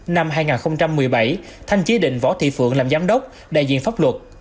năm hai nghìn một mươi bảy thanh chế định võ thị phượng làm giám đốc đại diện pháp luật